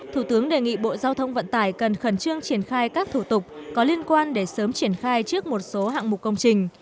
thủ tướng đề nghị bộ giao thông vận tải cần khẩn trương triển khai các thủ tục có liên quan để sớm triển khai trước một số hạng mục công trình